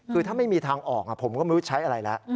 คือถ้าไม่มีทางออกผมก็ไม่รู้ใช้อะไรแล้ว